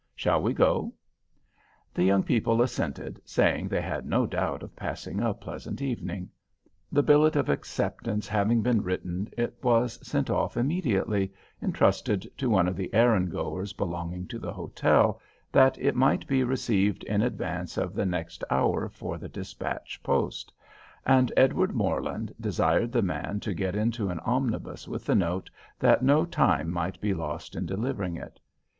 Shall we go?" The young people assented, saying they had no doubt of passing a pleasant evening. The billet of acceptance having been written, it was sent off immediately, entrusted to one of the errand goers belonging to the hotel, that it might be received in advance of the next hour for the dispatch post—and Edward Morland desired the man to get into an omnibus with the note that no time might be lost in delivering it.